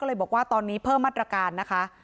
ก็เลยบอกว่าตอนนี้เพิ่มมาตรการนะคะ